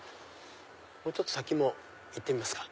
もうちょっと先も行ってみますか。